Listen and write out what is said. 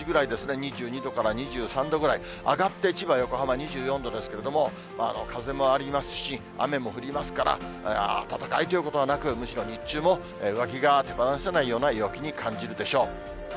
２２度から２３度ぐらい、上がって千葉、横浜、２４度ですけれども、風もありますし、雨も降りますから、暖かいということはなく、むしろ日中も上着が手離せないような陽気に感じるでしょう。